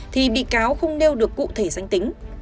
thì bị cáo không nêu được cụ thể danh tính